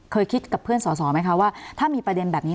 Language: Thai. เคยคิดกับเพื่อนสอสอไหมคะว่าถ้ามีประเด็นแบบนี้